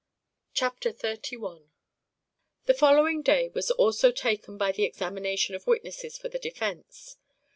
CHAPTER XXXI The following day was also taken by the examination of witnesses for the defence.